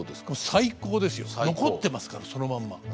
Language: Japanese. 最高ですよ残ってますからそのまんま。